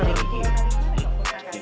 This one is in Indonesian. ini lebih baik